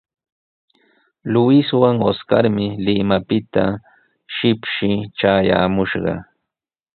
Luiswan Oscarmi Limapita shipshi traayaamushqa.